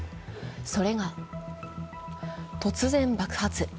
それが、突然爆発。